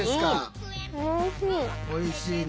おいしいね。